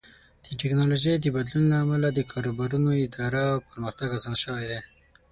د ټکنالوژۍ د بدلون له امله د کاروبارونو اداره او پرمختګ اسان شوی دی.